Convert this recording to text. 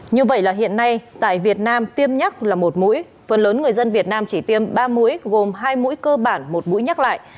như vậy là hiện nay tại việt nam tiêm nhắc là một mũi phần lớn người dân việt nam chỉ tiêm ba mũi gồm hai mũi cơ bản một mũi nhắc lại